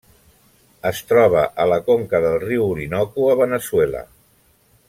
Es troba a la conca del riu Orinoco a Veneçuela.